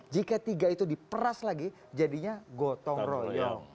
jika tiga itu diperas lagi jadinya gotong royong